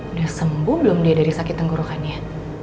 udah sembuh belum dia dari sakit tenggorokannya